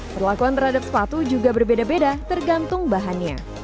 perlakuan terhadap sepatu juga berbeda beda tergantung bahannya